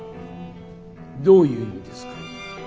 どういう意味ですか。